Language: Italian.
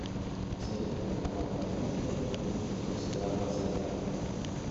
La serie venne acclamata dalla critica e attualmente è considerata una serie cult.